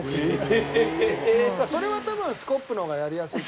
それは多分スコップの方がやりやすいと思う。